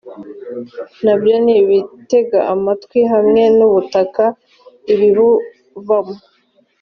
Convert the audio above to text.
na byo nibitege amatwi j hamwe n ubutaka k ibibuvamo